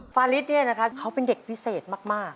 ฟาริสเนี่ยนะครับเขาเป็นเด็กพิเศษมาก